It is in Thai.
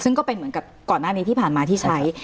ซึ่งก็เป็นเหมือนกับก่อนหน้านี้ที่ผ่านมาที่ใช้